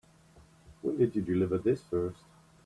When did you deliver this first?